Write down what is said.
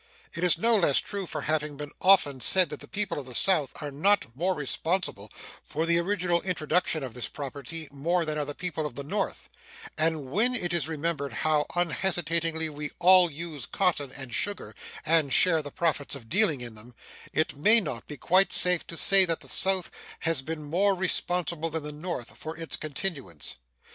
It is no less true for having been often said that the people of the South are not more responsible for the original introduction of this property than are the people of the North; and when it is remembered how unhesitatingly we all use cotton and sugar and share the profits of dealing in them, it may not be quite safe to say that the South has been more responsible than the North for its continuance.